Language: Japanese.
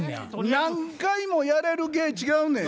何回もやれる芸違うねや。